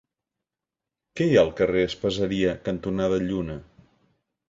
Què hi ha al carrer Espaseria cantonada Lluna?